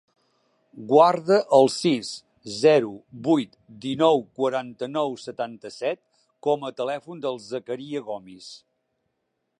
Guarda el sis, zero, vuit, dinou, quaranta-nou, setanta-set com a telèfon del Zakaria Gomis.